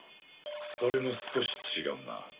それも少し違うな。